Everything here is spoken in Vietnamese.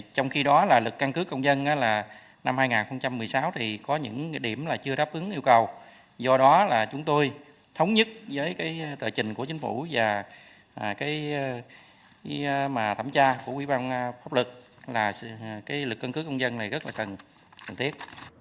trong khi đó lực căn cước công dân năm hai nghìn một mươi sáu có những điểm chưa đáp ứng yêu cầu do đó chúng tôi thống nhất với tờ trình của chính phủ và thẩm tra của quỹ ban pháp luật là lực căn cước công dân này rất cần thiết